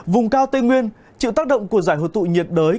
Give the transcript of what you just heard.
vùng cao tây nguyên trực tác động của giải hợp tụ nhiệt đới